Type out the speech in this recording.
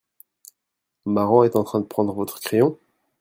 Maran est en train de prendre votre crayon ?